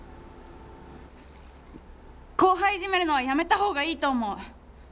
後輩いじめるのはやめた方がいいと思う！